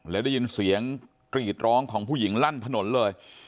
แล้วได้ยินเสียงกรีดร้องของผู้หญิงลั่นถนนเลย